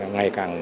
ngày càng lớn